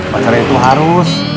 pacaran itu harus